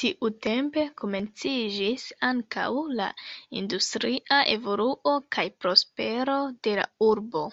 Tiutempe komenciĝis ankaŭ la industria evoluo kaj prospero de la urbo.